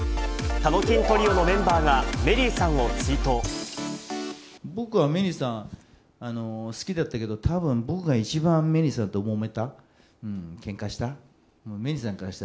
たのきんトリオのメンバーが、僕はメリーさん、好きだったけど、たぶん、僕が一番、メリーさんともめた、けんかした。